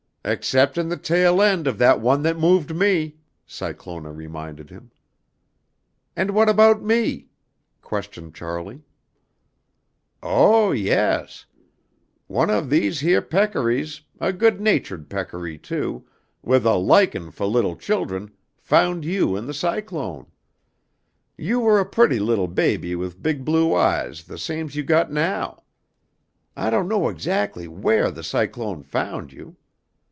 "Exceptin' the tail end of that one that moved me," Cyclona reminded him. "And what about me?" questioned Charlie. "Oh, yes. One of these heah peccaries, a good natured peccary, too, with a laikin' fo' little children, found you in the cyclone. You were a pretty little baby with big blue eyes the same's you've got now. I don't know exactly wheah the cyclone found you.